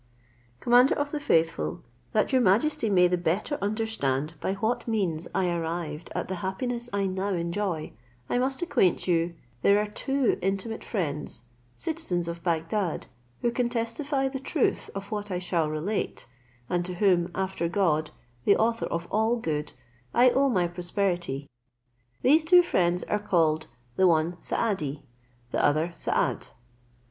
Commander of the faithful, that your majesty may the better understand by what means I arrived at the happiness I now enjoy, I must acquaint you, there are two intimate friends, citizens of Bagdad, who can testify the truth of what I shall relate, and to whom, after God, the author of all good, I owe my prosperity. These two friends are called, the one Saadi, the other Saad.